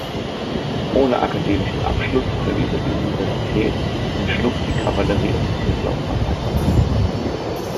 Ohne akademischen Abschluss verließ er die Universität und schlug die Kavallerie-Offizierslaufbahn ein.